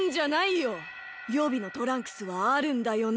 よびのトランクスはあるんだよね？